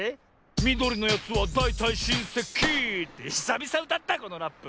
みどりのやつはだいたいしんせきひさびさうたったこのラップ。